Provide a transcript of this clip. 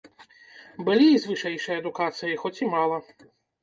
Былі і з вышэйшай адукацыяй, хоць і мала.